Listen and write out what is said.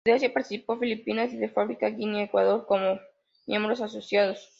De Asia participó Filipinas y de África Guinea Ecuatorial como miembros asociados.